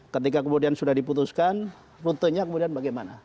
ketika kemudian sudah diputuskan rutenya kemudian bagaimana